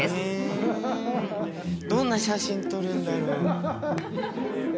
どんな写真撮るんだろう？